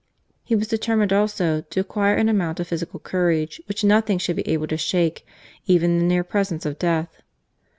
He was determined also to acquire an amount of physical courage which nothing should be able to shake — even the near presence of death.